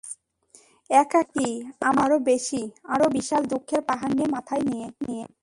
একাকী, আমার চেয়ে আরও বেশি, আরও বিশাল দুঃখের পাহাড় নিয়ে মাথায় নিয়ে।